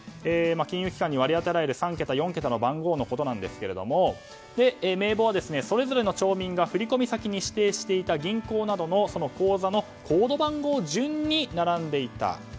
金融機関に割り当てられる３桁、４桁の番号ですが名簿は、それぞれの町民が振込先に指定していた銀行などの口座のコード番号順に並んでいた。